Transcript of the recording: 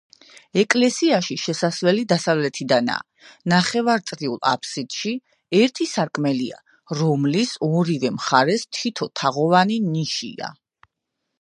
ეკლესიაში შესასვლელი დასავლეთიდანაა, ნახევარწრიულ აფსიდში ერთი სარკმელია, რომლის ორივე მხარეს თითო თაღოვანი ნიშია.